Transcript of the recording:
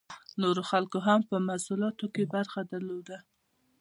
نورو خلکو هم په محصولاتو کې برخه درلوده.